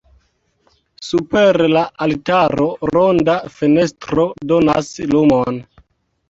Super la altaro ronda fenestro donas lumon.